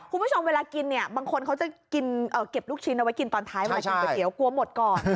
คุณผู้ชมเวลากินเนี่ยบางคนเขาจะกินเก็บลูกชิ้นเอาไว้กินตอนท้ายเวลากินก๋วเตี๋ยกลัวหมดก่อน